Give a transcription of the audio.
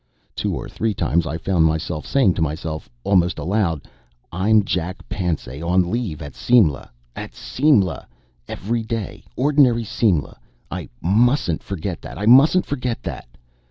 Two or three times I found myself saying to myself almost aloud: "I'm Jack Pansay on leave at Simla at Simla! Everyday, ordinary Simla. I mustn't forget that I mustn't forget that."